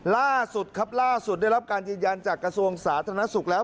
ล่าสุดครับล่าสุดได้รับการยืนยันจากกระทรวงสาธารณสุขแล้ว